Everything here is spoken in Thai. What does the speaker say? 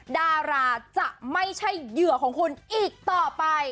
ดาราจะไม่ใช่เหยื่อของคุณอีกต่อไป